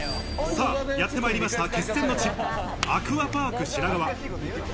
さぁ、やって参りました決戦の地、アクアパーク品川。